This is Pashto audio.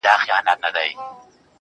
هره لحظه هالیونتوب اودځوانی مستی می